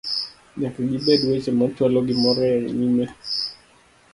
nyaka gibed weche machwalo gimoro e nyime